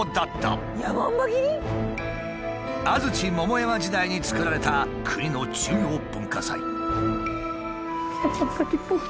安土桃山時代に作られた国の重要文化財。